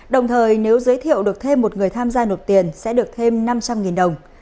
đồng thời nếu giới thiệu được thêm một người tham gia nộp tiền sẽ được thêm năm trăm linh đồng